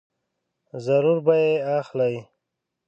ضرور به یې اخلې !